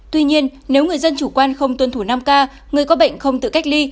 tuy nhiên nếu người dân chủ quan không tuân thủ năm k người có bệnh không tự cách ly